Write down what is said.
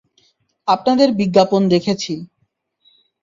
আপনাদের বিজ্ঞাপন দেখেছি।